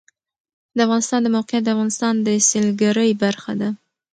د افغانستان د موقعیت د افغانستان د سیلګرۍ برخه ده.